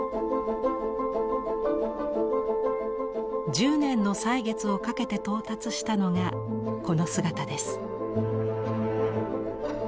１０年の歳月をかけて到達したのがこの姿です。